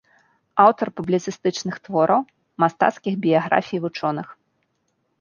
Аўтар публіцыстычных твораў, мастацкіх біяграфій вучоных.